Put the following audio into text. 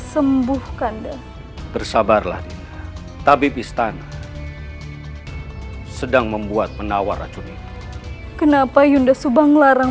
sembuh kanda tersabarlah tapi pistana sedang membuat menawar racun kenapa yunda subang larang